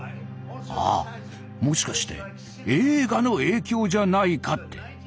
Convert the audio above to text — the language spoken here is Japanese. ああもしかして映画の影響じゃないかって。